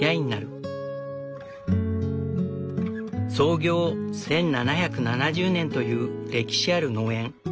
創業１７７０年という歴史ある農園。